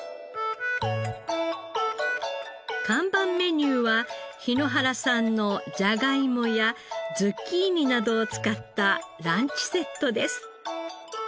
看板メニューは檜原産のじゃがいもやズッキーニなどを使ったランチセットです。